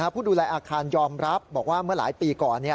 ผู้ดูแลอาคารยอมรับบอกว่าเมื่อหลายปีก่อน